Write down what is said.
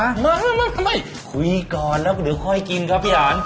ไม่คุยก่อนแล้วเดี๋ยวค่อยกินครับพี่หาร